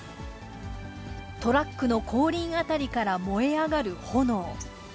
トラックの後輪辺りから燃え上がる炎。